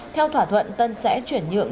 theo thỏa thuận tân sẽ chuyển nhượng